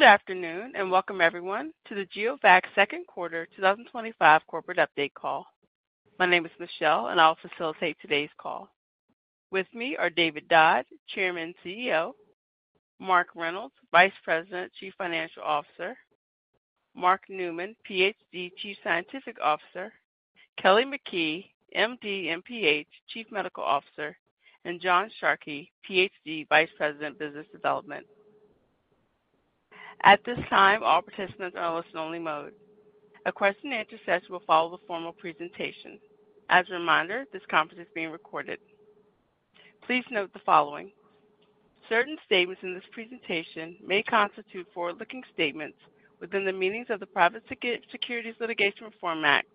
Good afternoon and welcome, everyone, to the GeoVax second quarter 2025 corporate update call. My name is Michelle, and I'll facilitate today's call. With me are David Dodd, Chairman and CEO; Mark Reynolds, Chief Financial Officer; Mark Newman, PhD, Chief Scientific Officer; Kelly McKee, MD, MPH, Chief Medical Officer; and John Sharkey, PhD, Vice President, Business Development. At this time, all participants are in a listen-only mode. A question-and-answer session will follow the formal presentation. As a reminder, this conference is being recorded. Please note the following: certain statements in this presentation may constitute forward-looking statements within the meanings of the Private Securities Litigation Reform Act.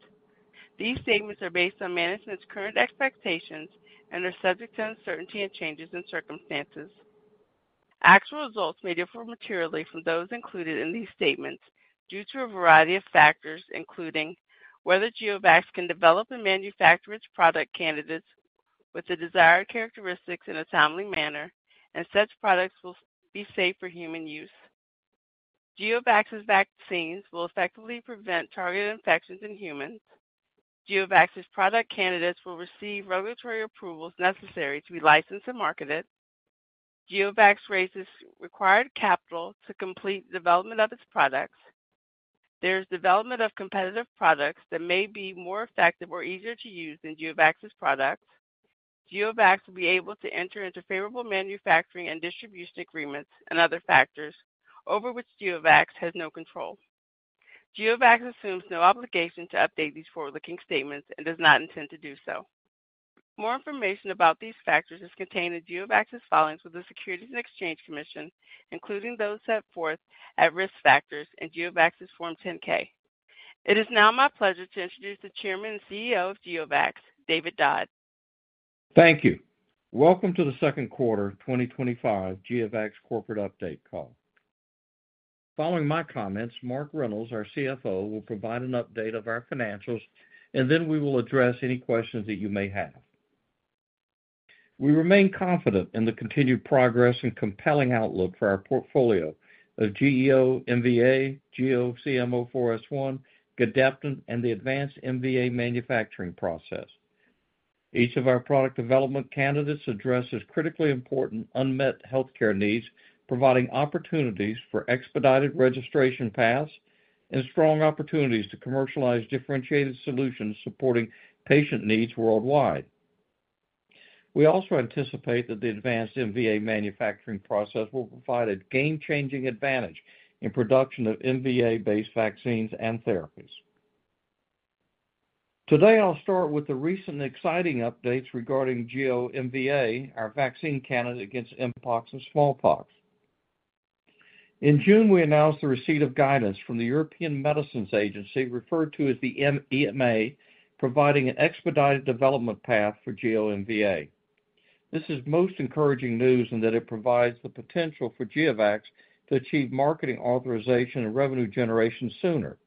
These statements are based on management's current expectations and are subject to uncertainty and changes in circumstances. Actual results may differ materially from those included in these statements due to a variety of factors, including whether GeoVax can develop and manufacture its product candidates with the desired characteristics in a timely manner, and such products will be safe for human use. GeoVax's vaccines will effectively prevent targeted infections in humans. GeoVax's product candidates will receive regulatory approvals necessary to be licensed and marketed. GeoVax raises required capital to complete the development of its products. There is development of competitive products that may be more effective or easier to use than GeoVax's products. GeoVax will be able to enter into favorable manufacturing and distribution agreements and other factors over which GeoVax has no control. GeoVax assumes no obligation to update these forward-looking statements and does not intend to do so. More information about these factors is contained in GeoVax's filings with the Securities and Exchange Commission, including those set forth at risk factors in GeoVax's Form 10-K. It is now my pleasure to introduce the Chairman and CEO of GeoVax, David Dodd. Thank you. Welcome to the second quarter 2025 GeoVax corporate update call. Following my comments, Mark Reynolds, our CFO, will provide an update of our financials, and then we will address any questions that you may have. We remain confident in the continued progress and compelling outlook for our portfolio of GEO-MVA, GEO-CM04S1, Gedeptin, and the advanced MVA manufacturing process. Each of our product development candidates addresses critically important unmet healthcare needs, providing opportunities for expedited registration paths and strong opportunities to commercialize differentiated solutions supporting patient needs worldwide. We also anticipate that the advanced MVA manufacturing process will provide a game-changing advantage in production of MVA-based vaccines and therapies. Today, I'll start with the recent and exciting updates regarding GEO-MVA, our vaccine candidate against Mpox and smallpox. In June, we announced the receipt of guidance from the European Medicines Agency, referred to as the EMA, providing an expedited development path for GEO-MVA. This is most encouraging news in that it provides the potential for GeoVax to achieve marketing authorization and revenue generation sooner,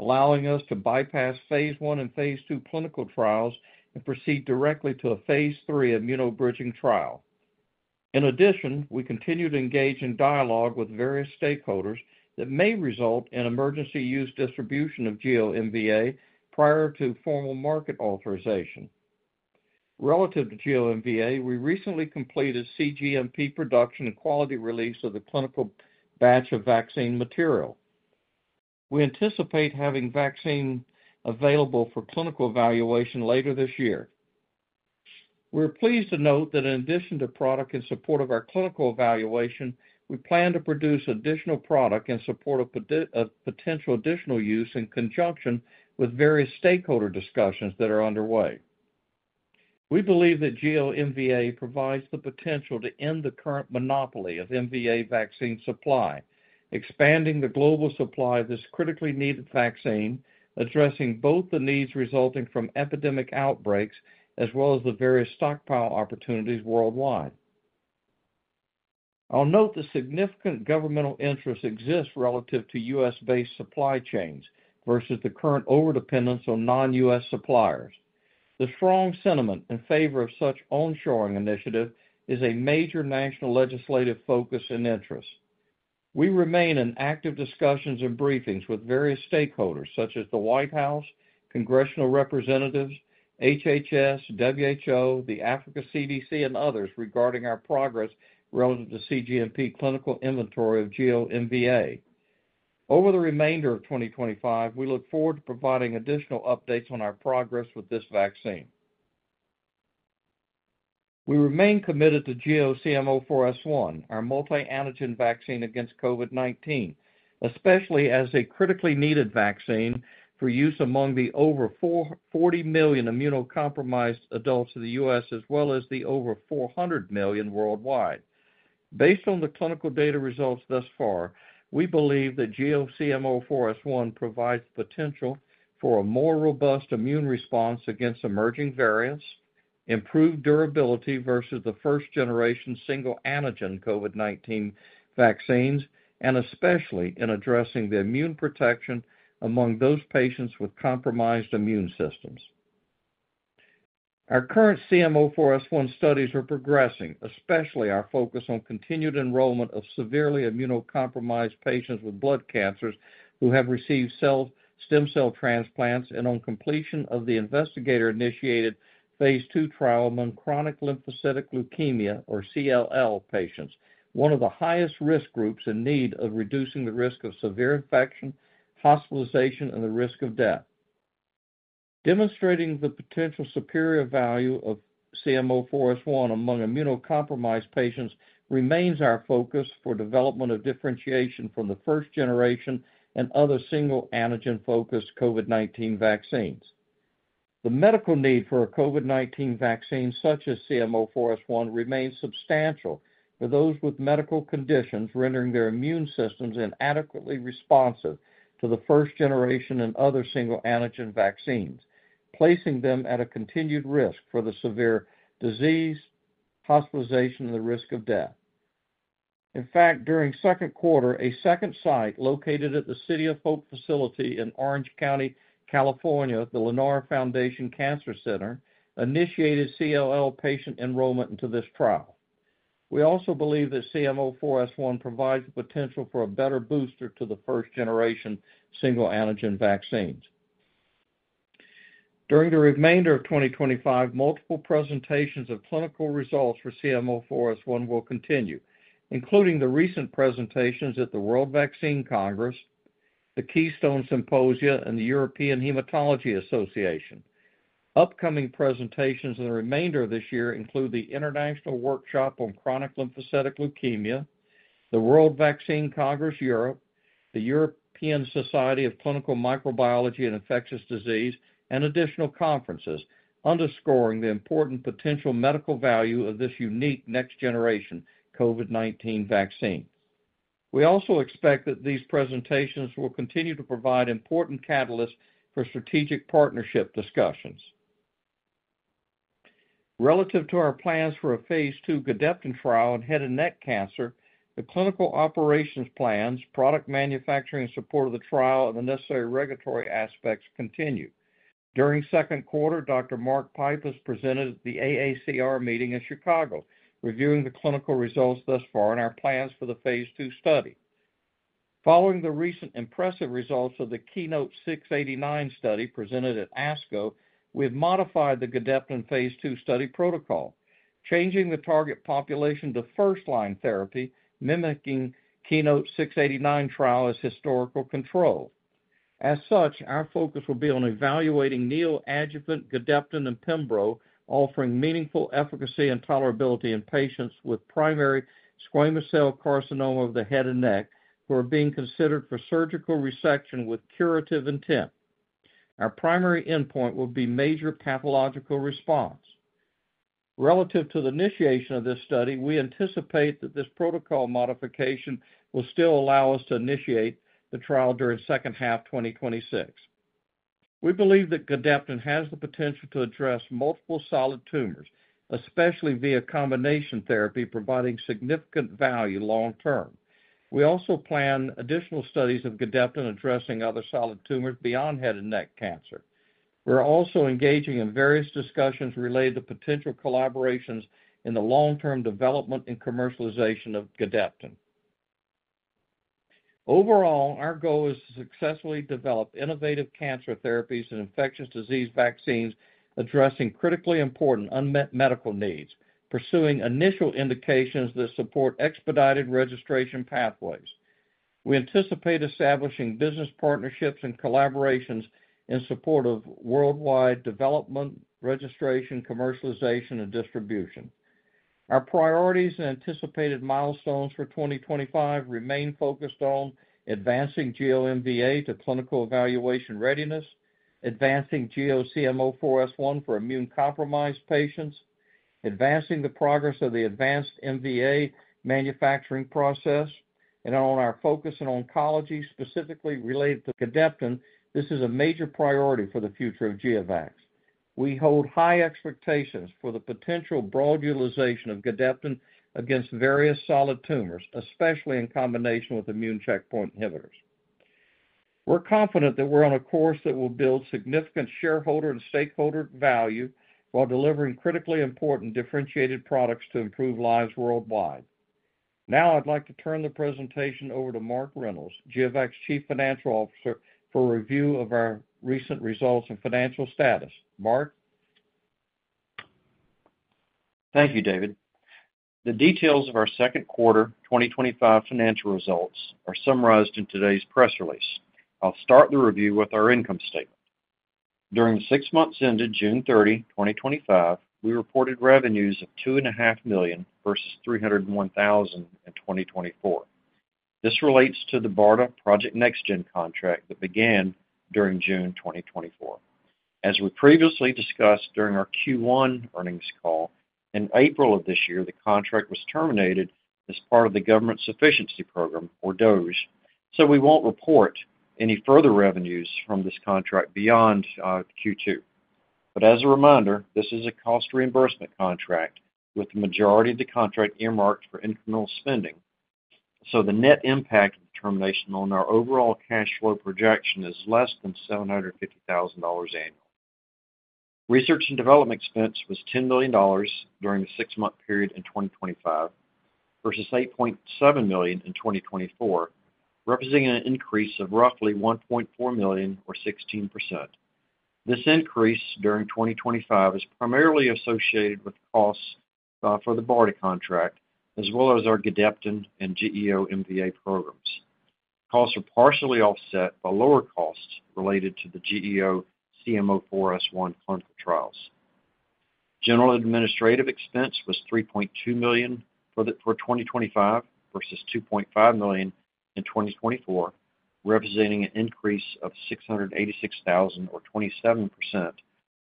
allowing us to bypass phase I and phase II clinical trials and proceed directly to a phase III immunobridging trial. In addition, we continue to engage in dialogue with various stakeholders that may result in emergency use distribution of GEO-MVA prior to formal market authorization. Relative to GEO-MVA, we recently completed cGMP production and quality release of the clinical batch of vaccine material. We anticipate having vaccine available for clinical evaluation later this year. We're pleased to note that in addition to product in support of our clinical evaluation, we plan to produce additional product in support of potential additional use in conjunction with various stakeholder discussions that are underway. We believe that GEO-MVA provides the potential to end the current monopoly of MVA vaccine supply, expanding the global supply of this critically needed vaccine, addressing both the needs resulting from epidemic outbreaks as well as the various stockpile opportunities worldwide. I'll note that significant governmental interests exist relative to U.S.-based supply chains versus the current overdependence on non-U.S. suppliers. The strong sentiment in favor of such onshoring initiatives is a major national legislative focus and interest. We remain in active discussions and briefings with various stakeholders such as the White House, congressional representatives, HHS, WHO, the Africa CDC, and others regarding our progress relative to cGMP clinical inventory of GEO-MVA. Over the remainder of 2025, we look forward to providing additional updates on our progress with this vaccine. We remain committed to GEO-CM04S1, our multi-antigen vaccine against COVID-19, especially as a critically needed vaccine for use among the over 40 million immunocompromised adults in the U.S., as well as the over 400 million worldwide. Based on the clinical data results thus far, we believe that GEO-CM04S1 provides the potential for a more robust immune response against emerging variants, improved durability versus the first-generation single antigen COVID-19 vaccines, and especially in addressing the immune protection among those patients with compromised immune systems. Our current CM04S1 studies are progressing, especially our focus on continued enrollment of severely immunocompromised patients with blood cancers who have received stem cell transplants and on completion of the investigator-initiated phase II trial among chronic lymphocytic leukemia, or CLL, patients, one of the highest risk groups in need of reducing the risk of severe infection, hospitalization, and the risk of death. Demonstrating the potential superior value of CM04S1 among immunocompromised patients remains our focus for development of differentiation from the first-generation and other single antigen-focused COVID-19 vaccines. The medical need for a COVID-19 vaccine such as CM04S1 remains substantial for those with medical conditions rendering their immune systems inadequately responsive to the first-generation and other single antigen vaccines, placing them at a continued risk for severe disease, hospitalization, and the risk of death. In fact, during the second quarter, a second site located at the City of Hope facility in Orange County, California, the Lennar Foundation Cancer Center initiated CLL patient enrollment into this trial. We also believe that CM04S1 provides the potential for a better booster to the first-generation single antigen vaccines. During the remainder of 2025, multiple presentations of clinical results for CM04S1 will continue, including the recent presentations at the World Vaccine Congress, the Keystone Symposia, and the European Hematology Association. Upcoming presentations in the remainder of this year include the International Workshop on Chronic Lymphocytic Leukemia, the World Vaccine Congress Europe, the European Society of Clinical Microbiology and Infectious Disease, and additional conferences underscoring the important potential medical value of this unique next-generation COVID-19 vaccine. We also expect that these presentations will continue to provide important catalysts for strategic partnership discussions. Relative to our plans for a phase II Gedeptin trial in head and neck cancer, the clinical operations plans, product manufacturing and support of the trial, and the necessary regulatory aspects continue. During the second quarter, Dr. Mark presented at the AACR meeting in Chicago, reviewing the clinical results thus far and our plans for the phase II study. Following the recent impressive results of the KEYNOTE-689 study presented at ASCO, we have modified the Gedeptin phase II study protocol, changing the target population to first-line therapy, mimicking the KEYNOTE-689 trial as historical control. As such, our focus will be on evaluating neoadjuvant Gedeptin and Pembro, offering meaningful efficacy and tolerability in patients with primary squamous cell carcinoma of the head and neck who are being considered for surgical resection with curative intent. Our primary endpoint will be major pathological response. Relative to the initiation of this study, we anticipate that this protocol modification will still allow us to initiate the trial during the second half of 2026. We believe that Gedeptin has the potential to address multiple solid tumors, especially via combination therapy, providing significant value long term. We also plan additional studies of Gedeptin addressing other solid tumors beyond head and neck cancer. We're also engaging in various discussions related to potential collaborations in the long-term development and commercialization of Gedeptin. Overall, our goal is to successfully develop innovative cancer therapies and infectious disease vaccines, addressing critically important unmet medical needs, pursuing initial indications that support expedited registration pathways. We anticipate establishing business partnerships and collaborations in support of worldwide development, registration, commercialization, and distribution. Our priorities and anticipated milestones for 2025 remain focused on advancing GEO-MVA to clinical evaluation readiness, advancing GEO-CM04S1 for immune-compromised patients, advancing the progress of the advanced MVA manufacturing process, and on our focus in oncology specifically related to Gedeptin. This is a major priority for the future of GeoVax. We hold high expectations for the potential broad utilization of Gedeptin against various solid tumors, especially in combination with immune checkpoint inhibitors. We're confident that we're on a course that will build significant shareholder and stakeholder value while delivering critically important differentiated products to improve lives worldwide. Now, I'd like to turn the presentation over to Mark Reynolds, GeoVax Chief Financial Officer, for a review of our recent results and financial status. Mark? Thank you, David. The details of our second quarter 2025 financial results are summarized in today's press release. I'll start the review with our income statement. During the six months ended June 30, 2025, we reported revenues of $2.5 million versus $301,000 in 2024. This relates to the BARDA Project NextGen contract that began during June 2024. As we previously discussed during our Q1 earnings call, in April of this year, the contract was terminated as part of the Government Sufficiency Program, or DOGS, so we won't report any further revenues from this contract beyond Q2. As a reminder, this is a cost reimbursement contract with the majority of the contract earmarked for incremental spending, so the net impact of termination on our overall cash flow projection is less than $750,000 annually. Research and development expense was $10 million during the six-month period in 2025 versus $8.7 million in 2024, representing an increase of roughly $1.4 million, or 16%. This increase during 2025 is primarily associated with costs for the BARDA contract, as well as our Gedeptin and GEO-MVA programs. Costs are partially offset by lower costs related to the GEO-CM04S1 clinical trials. General administrative expense was $3.2 million for 2025 versus $2.5 million in 2024, representing an increase of $686,000, or 27%,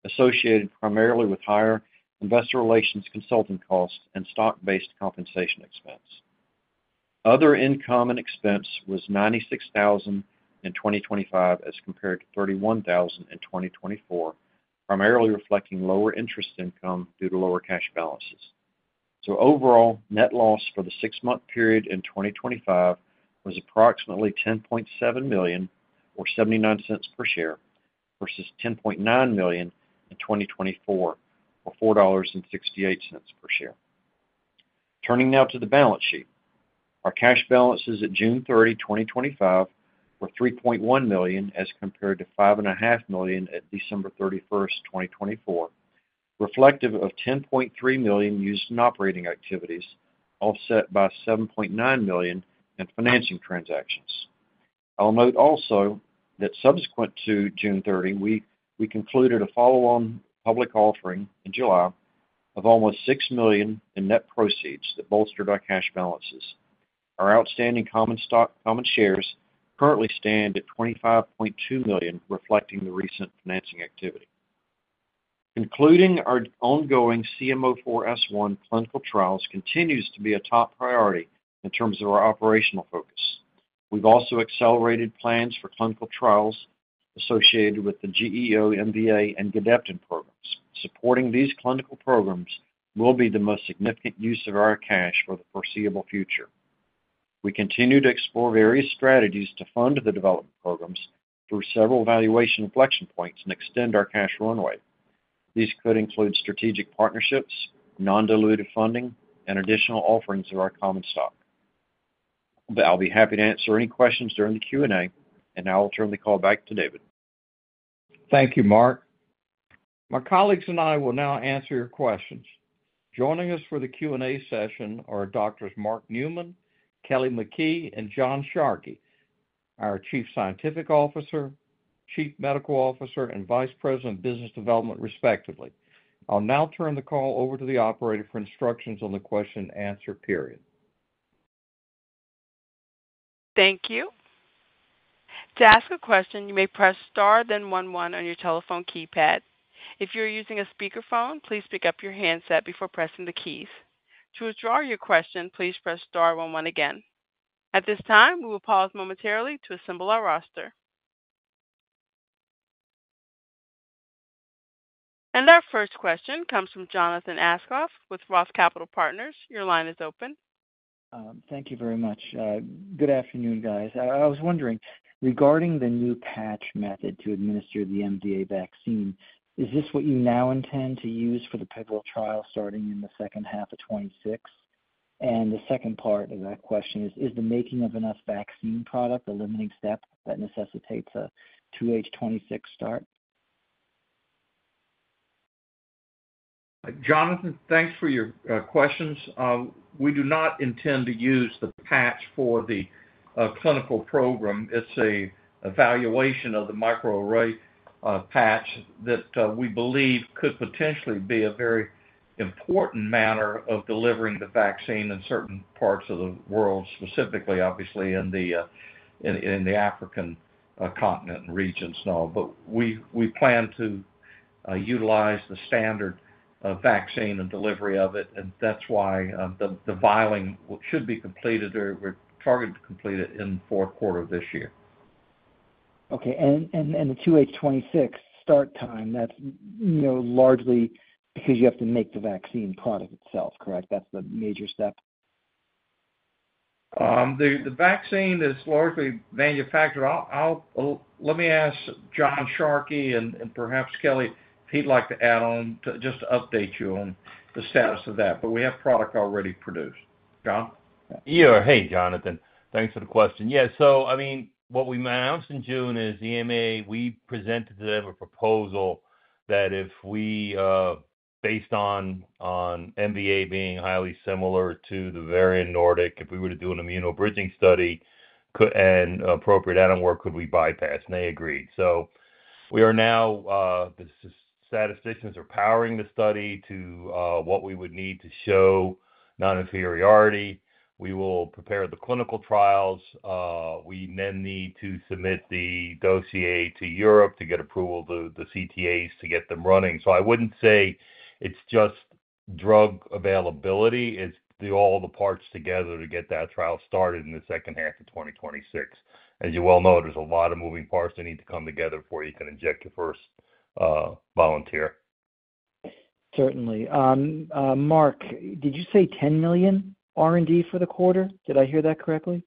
associated primarily with higher investor relations consulting costs and stock-based compensation expense. Other income and expense was $96,000 in 2025 as compared to $31,000 in 2024, primarily reflecting lower interest income due to lower cash balances. Overall, net loss for the six-month period in 2025 was approximately $10.7 million, or $0.79 per share, versus $10.9 million in 2024, or $4.68 per share. Turning now to the balance sheet, our cash balances at June 30, 2025, were $3.1 million as compared to $5.5 million at December 31, 2024, reflective of $10.3 million used in operating activities, offset by $7.9 million in financing transactions. I'll note also that subsequent to June 30, we concluded a follow-on public offering in July of almost $6 million in net proceeds that bolstered our cash balances. Our outstanding common stock, common shares currently stand at 25.2 million, reflecting the recent financing activity. Concluding, our ongoing GEO-CM04S1 clinical trials continue to be a top priority in terms of our operational focus. We've also accelerated plans for clinical trials associated with the GEO-MVA and Gedeptin programs. Supporting these clinical programs will be the most significant use of our cash for the foreseeable future. We continue to explore various strategies to fund the development programs through several valuation inflection points and extend our cash runway. These could include strategic partnerships, non-dilutive funding, and additional offerings of our common stock. I'll be happy to answer any questions during the Q&A, and now I'll turn the call back to David. Thank you, Mark. My colleagues and I will now answer your questions. Joining us for the Q&A session are Doctors Mark Newman, Kelly McKee, and John Sharkey, our Chief Scientific Officer, Chief Medical Officer, and Vice President of Business Development, respectively. I'll now turn the call over to the operator for instructions on the question and answer period. Thank you. To ask a question, you may press star, then one one on your telephone keypad. If you're using a speakerphone, please pick up your handset before pressing the keys. To withdraw your question, please press star, one one again. At this time, we will pause momentarily to assemble our roster. Our first question comes from Jonathan Aschoff with ROTH Capital Partners. Your line is open. Thank you very much. Good afternoon, guys. I was wondering, regarding the new patch method to administer the GEO-MVA vaccine, is this what you now intend to use for the pivotal trial starting in the second half of 2026? The second part of that question is, is the making of enough vaccine product the limiting step that necessitates a 2H 2026 start? Jonathan, thanks for your questions. We do not intend to use the patch for the clinical program. It's an evaluation of the microarray patch that we believe could potentially be a very important manner of delivering the vaccine in certain parts of the world, specifically, obviously, in the African continent and regions. We plan to utilize the standard vaccine and delivery of it, and that's why the vialing should be completed or we're targeted to complete it in the fourth quarter of this year. Okay. The 2H 2026 start time is largely because you have to make the vaccine product itself, correct? That's the major step? The vaccine is largely manufactured. Let me ask John Sharkey and perhaps Kelly if he'd like to add on just to update you on the status of that. We have product already produced. John? Yeah. Hey, Jonathan. Thanks for the question. What we announced in June is EMA, we presented to them a proposal that if we, based on MVA being highly similar to the Bavarian Nordic, if we were to do an immunobridging study and appropriate adenoviral work, could we bypass? They agreed. We are now, the statisticians are powering the study to what we would need to show non-inferiority. We will prepare the clinical trials. We then need to submit the dossier to Europe to get approval of the CTAs to get them running. I wouldn't say it's just drug availability. It's all the parts together to get that trial started in the second half of 2026. As you well know, there's a lot of moving parts that need to come together before you can inject your first volunteer. Certainly. Mark, did you say $10 million R&D for the quarter? Did I hear that correctly?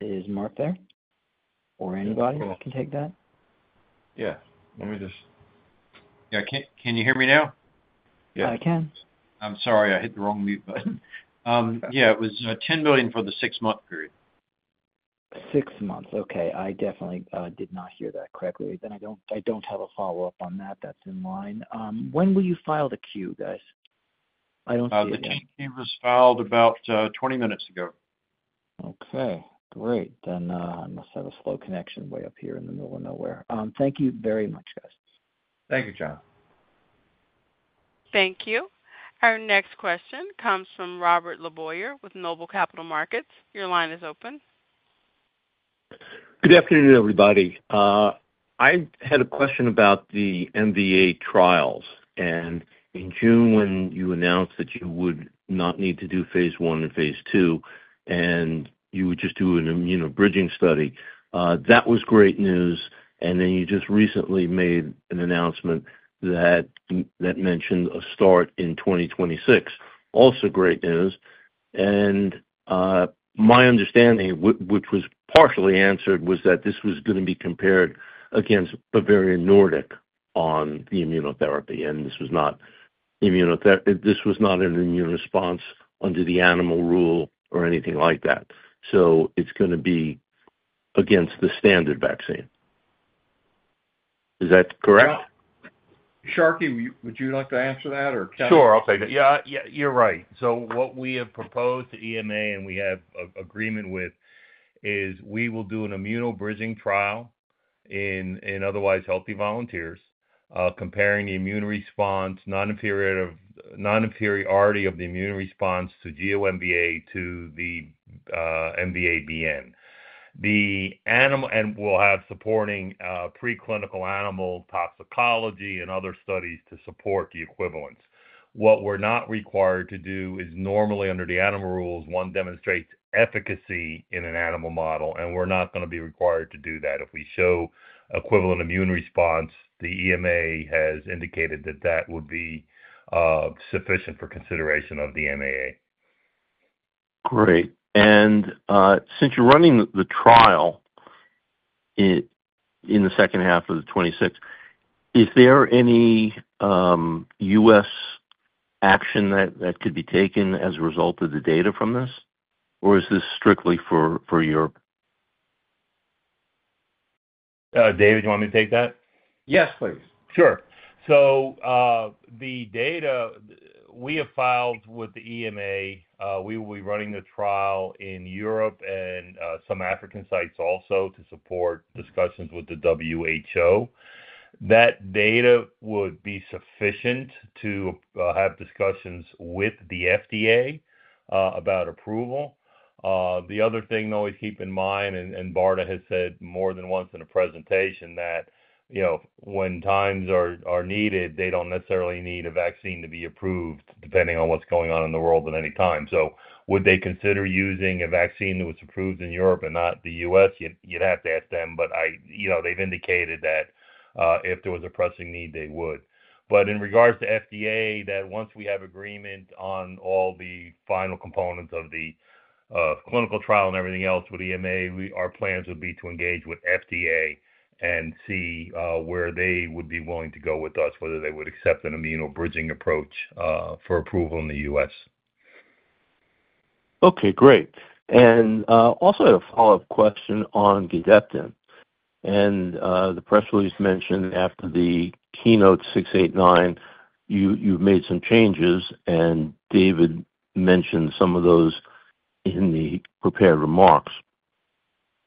Is Mark there or anybody? I can take that. Yeah, can you hear me now? Yeah. I can. I'm sorry. I hit the wrong mute button. Yeah, it was $10 million for the six-month period. Six months. Okay. I definitely did not hear that correctly. I don't have a follow-up on that. That's in line. When will you file the Q, guys? I don't see it. The queue was filed about 20 minutes ago. Okay. Great. I must have a slow connection way up here in the middle of nowhere. Thank you very much, guys. Thank you, John. Thank you. Our next question comes from Robert LeBoyer with Noble Capital Markets. Your line is open. Good afternoon, everybody. I had a question about the GEO-MVA trials. In June, when you announced that you would not need to do phase I and phase II, and you would just do an immunobridging study, that was great news. You just recently made an announcement that mentioned a start in 2026, also great news. My understanding, which was partially answered, was that this was going to be compared against Bavarian Nordic on the immunotherapy. This was not an immune response under the animal rule or anything like that. It's going to be against the standard vaccine. Is that correct? Sharkey, would you like to answer that or Kelly? Sure. I'll take it. You're right. What we have proposed to EMA and we have an agreement with is we will do an immunobridging trial in otherwise healthy volunteers, comparing the immune response, non-inferiority of the immune response to GEO-MVA to the MVA-BN. We'll have supporting preclinical animal toxicology and other studies to support the equivalence. What we're not required to do is normally under the animal rules, one demonstrates efficacy in an animal model, and we're not going to be required to do that. If we show equivalent immune response, the EMA has indicated that that would be sufficient for consideration of the MAA. Great. Since you're running the trial in the second half of 2026, is there any U.S. action that could be taken as a result of the data from this, or is this strictly for Europe? David, do you want me to take that? Yes, please. Sure. The data we have filed with the EMA, we will be running the trial in Europe and some African sites also to support discussions with the WHO. That data would be sufficient to have discussions with the FDA about approval. The other thing to always keep in mind, and BARDA has said more than once in a presentation that, you know, when times are needed, they don't necessarily need a vaccine to be approved depending on what's going on in the world at any time. Would they consider using a vaccine that was approved in Europe and not the U.S.? You'd have to ask them. They've indicated that if there was a pressing need, they would. In regards to FDA, once we have agreement on all the final components of the clinical trial and everything else with EMA, our plans would be to engage with FDA and see where they would be willing to go with us, whether they would accept an immunobridging approach for approval in the U.S. Okay. Great. Also, a follow-up question on Gedeptin. The press release mentioned after the KEYNOTE-689, you've made some changes, and David mentioned some of those in the prepared remarks.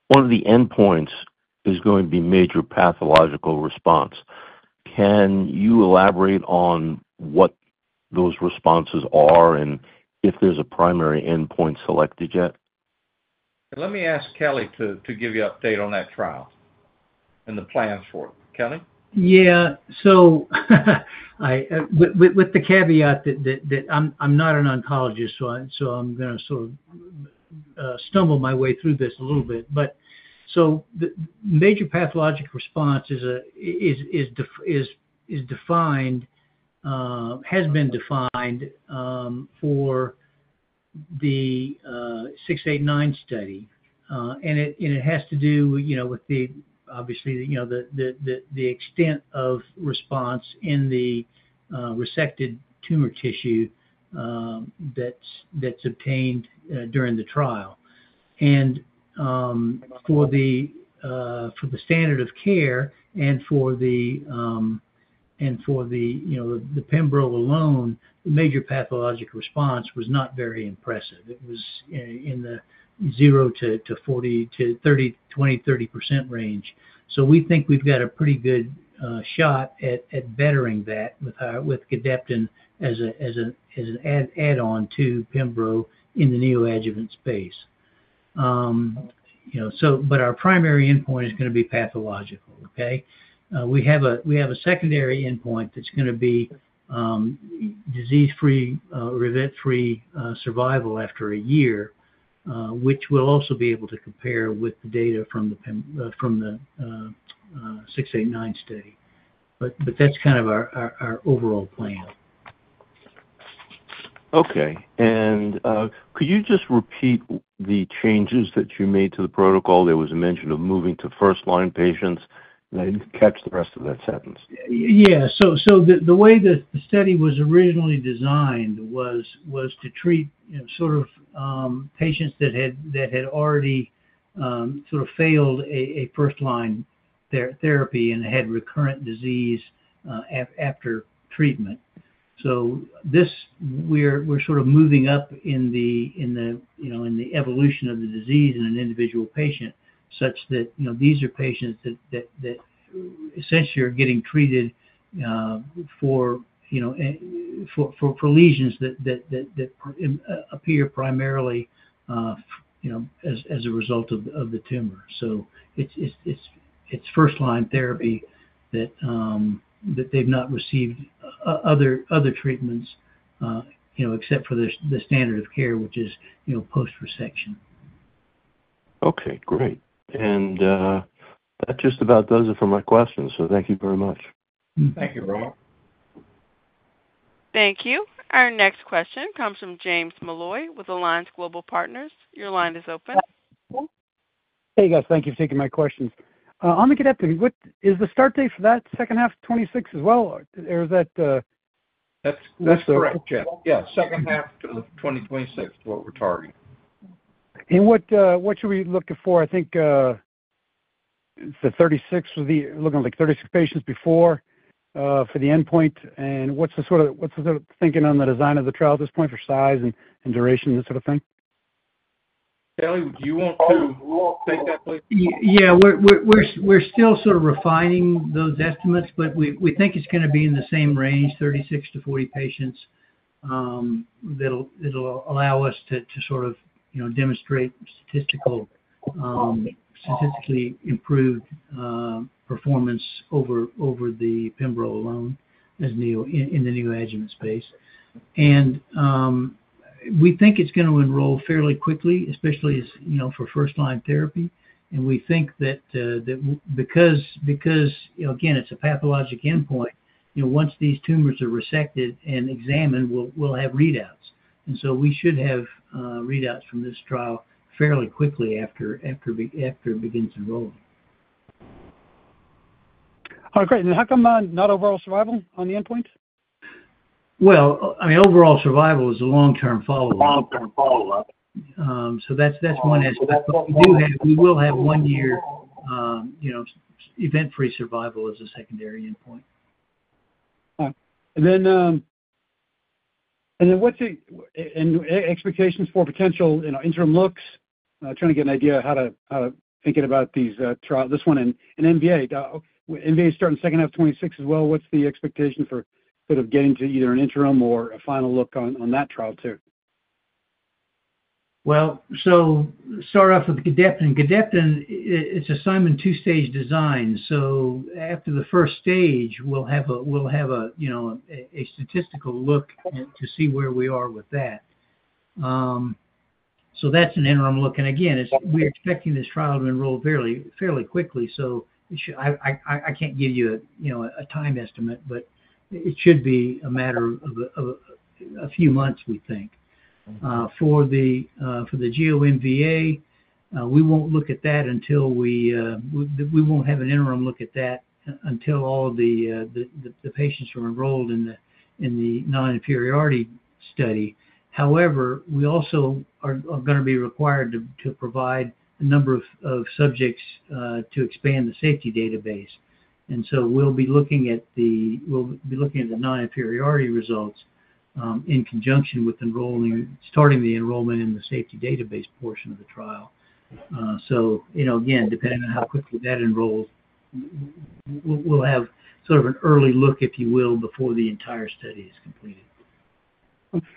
One of the endpoints is going to be major pathological response. Can you elaborate on what those responses are and if there's a primary endpoint selected yet? Let me ask Kelly to give you an update on that trial and the plans for it. Kelly? Yeah. With the caveat that I'm not an oncologist, I'm going to sort of stumble my way through this a little bit. The major pathological response is defined, has been defined for the 689 study. It has to do with the extent of response in the resected tumor tissue that's obtained during the trial. For the standard of care and for the, you know, the Pembro alone, the major pathological response was not very impressive. It was in the 0%-20%, 30% range. We think we've got a pretty good shot at bettering that with Gedeptin as an add-on Pembro in the neoadjuvant space. Our primary endpoint is going to be pathological, okay? We have a secondary endpoint that's going to be disease-free, or event-free survival after a year, which we'll also be able to compare with the data from the 689 study. That's kind of our overall plan. Okay. Could you just repeat the changes that you made to the protocol? There was a mention of moving to first-line patients. I didn't catch the rest of that sentence. Yeah. The way that the study was originally designed was to treat patients that had already failed a first-line therapy and had recurrent disease after treatment. We're moving up in the evolution of the disease in an individual patient such that these are patients that essentially are getting treated for lesions that appear primarily as a result of the tumor. It's first-line therapy that they've not received other treatments except for the standard of care, which is post-resection. Great. That just about does it for my questions. Thank you very much. Thank you, Robert. Thank you. Our next question comes from James Molloy with Alliance Global Partners. Your line is open. Hey, guys. Thank you for taking my questions. On the Gedeptin, is the start date for that second half of 2026 as well, or is that? That's correct, yeah. Second half of 2026 is what we're targeting. What should we look for? I think it's the 36, looking at like 36 patients before the endpoint. What's the sort of thinking on the design of the trial at this point for size and duration and that sort of thing? Kelly, do you want to take that place? Yeah. We're still sort of refining those estimates, but we think it's going to be in the same range, 36-40 patients. It'll allow us to, you know, demonstrate statistically improved performance over the Pembro alone in the neoadjuvant space. We think it's going to enroll fairly quickly, especially as, you know, for first-line therapy. We think that because, you know, again, it's a pathologic endpoint, once these tumors are resected and examined, we'll have readouts. We should have readouts from this trial fairly quickly after it begins enrolling. All right. Great. How come not overall survival on the endpoint? Overall survival is a long-term follow-up. That's one aspect, but we do have, we will have one-year, you know, event-free survival as a secondary endpoint. All right. What's your expectations for potential, you know, interim looks? Trying to get an idea of how to think about these trials, this one and GEO-MVA. GEO-MVA is starting the second half of 2026 as well. What's the expectation for sort of getting to either an interim or a final look on that trial too? To start off with the Gedeptin. Gedeptin, it's a Simon two-stage design. After the first stage, we'll have a statistical look to see where we are with that. That's an interim look. Again, we're expecting this trial to enroll fairly quickly. I can't give you a time estimate, but it should be a matter of a few months, we think. For the GEO-MVA, we won't look at that until we won't have an interim look at that until all the patients are enrolled in the non-inferiority study. However, we also are going to be required to provide a number of subjects to expand the safety database. We'll be looking at the non-inferiority results in conjunction with starting the enrollment in the safety database portion of the trial. Again, depending on how quickly that enrolls, we'll have sort of an early look, if you will, before the entire study is completed.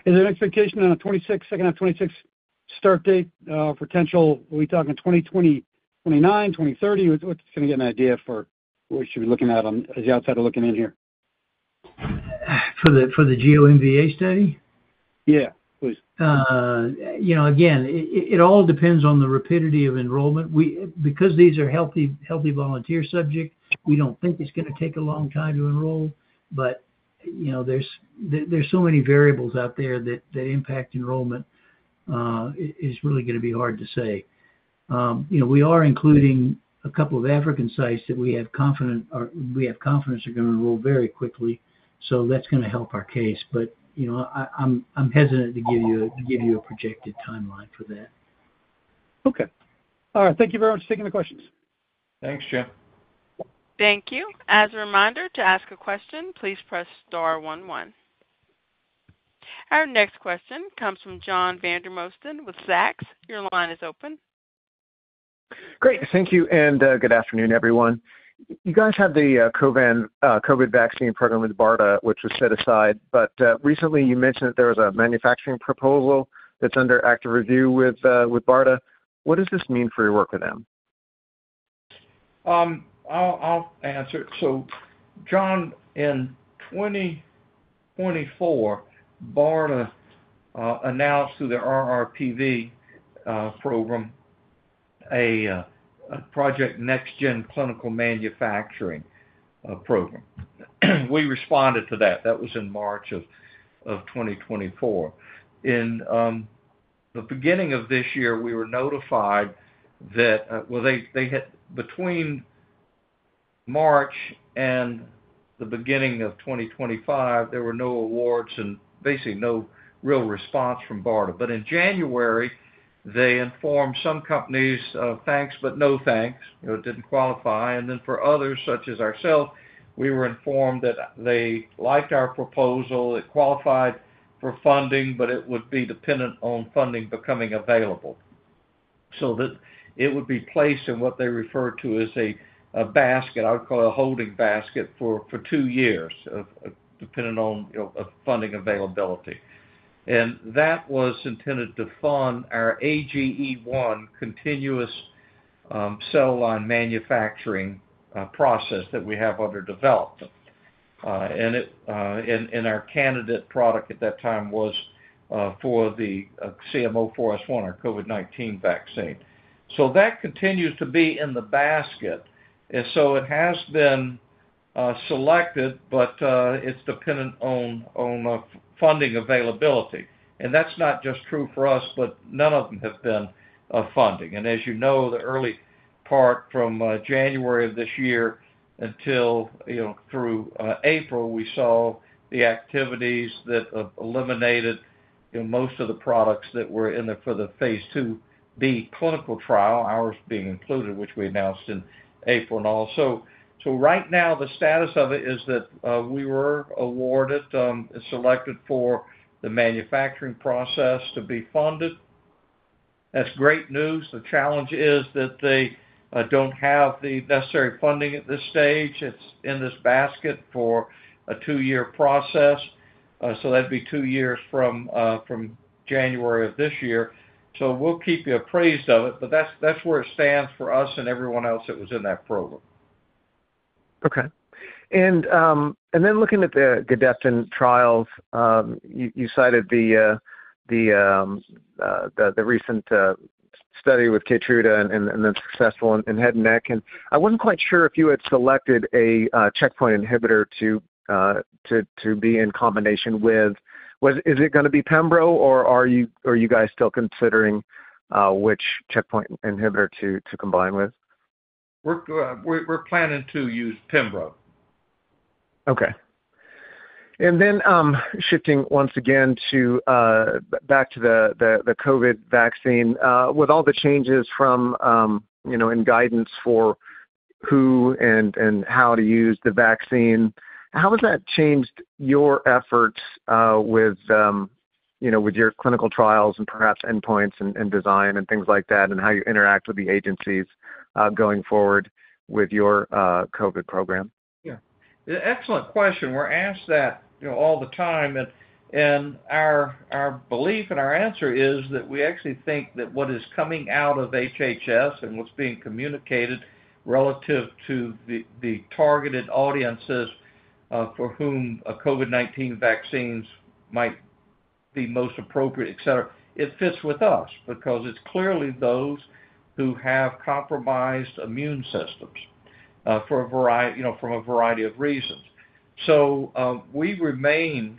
The expectation on the second half of 2026 start date, potential, are we talking 2029, 2030? What's kind of getting an idea for what we should be looking at as the outside are looking in here? For the GEO-MVA study? Yeah, please. You know. Again, it all depends on the rapidity of enrollment. Because these are healthy volunteer subjects, we don't think it's going to take a long time to enroll. There are so many variables out there that impact enrollment. It's really going to be hard to say. We are including a couple of African sites that we have confidence are going to enroll very quickly. That's going to help our case. I'm hesitant to give you a projected timeline for that. Okay. All right. Thank you very much for taking the questions. Thanks, Jim. Thank you. As a reminder, to ask a question, please press star one one. Our next question comes from John Vandermosten with Zacks. Your line is open. Great. Thank you. Good afternoon, everyone. You guys have the COVID vaccine program with BARDA, which was set aside. Recently, you mentioned that there was a manufacturing proposal that's under active review with BARDA. What does this mean for your work with them? I'll answer it. John, in 2024, BARDA announced through their RRPV program a Project NextGen Clinical Manufacturing program. We responded to that. That was in March of 2024. In the beginning of this year, we were notified that they had between March and the beginning of 2025, there were no awards and basically no real response from BARDA. In January, they informed some companies, "Thanks, but no thanks." You know, it didn't qualify. For others, such as ourselves, we were informed that they liked our proposal, it qualified for funding, but it would be dependent on funding becoming available. That would be placed in what they referred to as a basket. I would call it a holding basket for two years, depending on funding availability. That was intended to fund our AGE1 continuous cell line manufacturing process that we have under development. Our candidate product at that time was for the GEO-CM04S1, our COVID-19 vaccine. That continues to be in the basket. It has been selected, but it's dependent on funding availability. That's not just true for us, but none of them have been funding. As you know, the early part from January of this year through April, we saw the activities that eliminated most of the products that were in there for the phase IIb clinical trial, ours being included, which we announced in April. Right now, the status of it is that we were awarded, selected for the manufacturing process to be funded. That's great news. The challenge is that they don't have the necessary funding at this stage. It's in this basket for a two-year process. That would be two years from January of this year. We'll keep you appraised of it. That's where it stands for us and everyone else that was in that program. Okay. Looking at the Gedeptin trials, you cited the recent study with KEYTRUDA and then successful in head and neck. I wasn't quite sure if you had selected a checkpoint inhibitor to be in combination with. Is it going to be Pembro, or are you guys still considering which checkpoint inhibitor to combine with? We're planning to use Pembro. Okay. Shifting once again back to the COVID vaccine, with all the changes in guidance for who and how to use the vaccine, how has that changed your efforts with your clinical trials and perhaps endpoints and design and things like that, and how you interact with the agencies going forward with your COVID program? Yeah. Excellent question. We're asked that all the time. Our belief and our answer is that we actually think that what is coming out of HHS and what's being communicated relative to the targeted audiences for whom COVID-19 vaccines might be most appropriate, etc., fits with us because it's clearly those who have compromised immune systems for a variety, you know, from a variety of reasons. We remain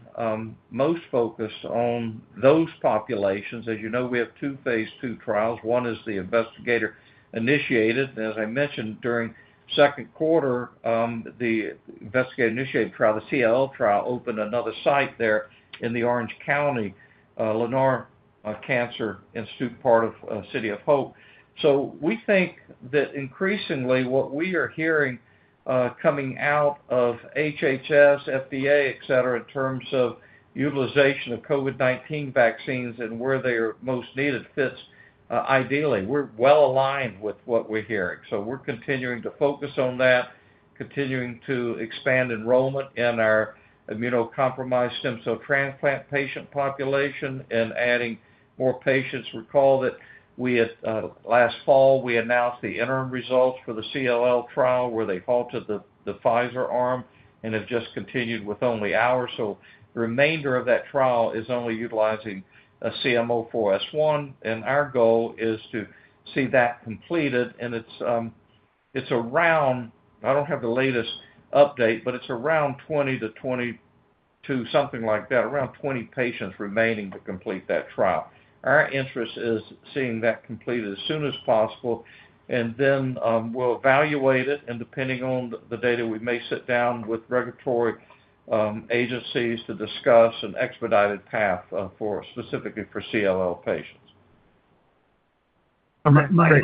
most focused on those populations. As you know, we have two phase II trials. One is the investigator-initiated. As I mentioned, during the second quarter, the investigator-initiated trial, the CLL trial, opened another site there in Orange County, Lennar Cancer, part of City of Hope. We think that increasingly, what we are hearing coming out of HHS, FDA, etc., in terms of utilization of COVID-19 vaccines and where they are most needed fits ideally. We're well aligned with what we're hearing. We're continuing to focus on that, continuing to expand enrollment in our immunocompromised stem cell transplant patient population and adding more patients. Recall that last fall, we announced the interim results for the CLL trial where they halted the Pfizer arm and have just continued with only ours. The remainder of that trial is only utilizing CM04S1. Our goal is to see that completed. It's around, I don't have the latest update, but it's around 20 to 22, something like that, around 20 patients remaining to complete that trial. Our interest is seeing that completed as soon as possible. Then we'll evaluate it. Depending on the data, we may sit down with regulatory agencies to discuss an expedited path specifically for CLL patients. I might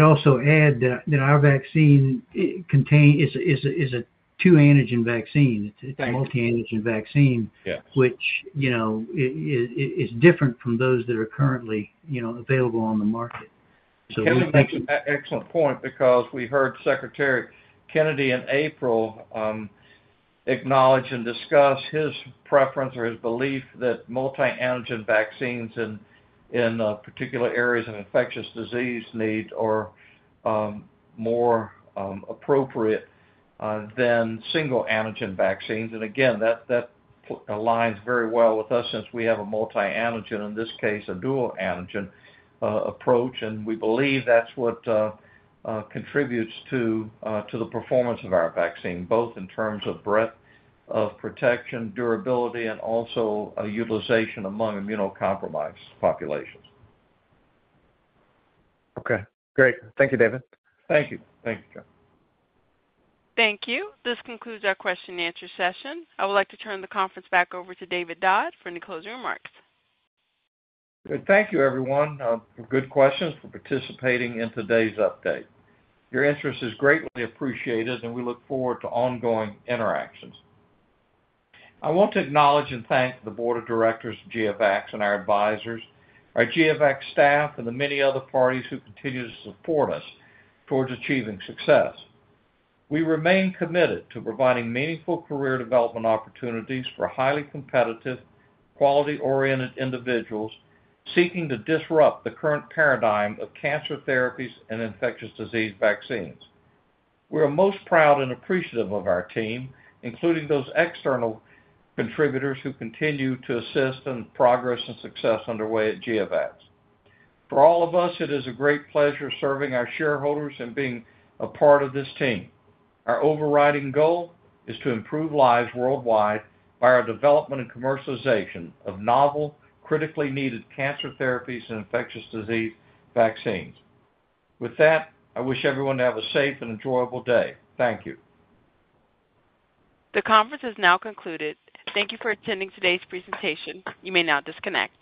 also add that our vaccine is a two-antigen vaccine. It's a multi-antigen vaccine, which is different from those that are currently available on the market. Kelly makes an excellent point because we heard Secretary Kennedy in April acknowledge and discuss his preference or his belief that multi-antigen vaccines in particular areas of infectious disease need more appropriate than single-antigen vaccines. That aligns very well with us since we have a multi-antigen, in this case, a dual-antigen approach. We believe that's what contributes to the performance of our vaccine, both in terms of breadth of protection, durability, and also utilization among immunocompromised populations. Okay. Great. Thank you, David. Thank you. Thank you, John. Thank you. This concludes our question and answer session. I would like to turn the conference back over to David Dodd for any closing remarks. Thank you, everyone, for good questions, for participating in today's update. Your interest is greatly appreciated, and we look forward to ongoing interactions. I want to acknowledge and thank the Board of Directors of GeoVax and our advisors, our GeoVax staff, and the many other parties who continue to support us towards achieving success. We remain committed to providing meaningful career development opportunities for highly competitive, quality-oriented individuals seeking to disrupt the current paradigm of cancer therapies and infectious disease vaccines. We are most proud and appreciative of our team, including those external contributors who continue to assist in the progress and success underway at GeoVax. For all of us, it is a great pleasure serving our shareholders and being a part of this team. Our overriding goal is to improve lives worldwide by our development and commercialization of novel, critically needed cancer therapies and infectious disease vaccines. With that, I wish everyone to have a safe and enjoyable day. Thank you. The conference is now concluded. Thank you for attending today's presentation. You may now disconnect.